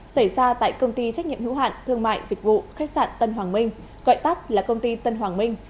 xảy ra tại công ty trách nhiệm hữu hạn thương mại dịch vụ khách sạn tân hoàng minh gọi tắt là công ty tân hoàng minh